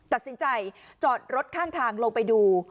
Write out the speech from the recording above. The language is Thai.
ตัดสินใจจอดรถข้างทางลงไปดู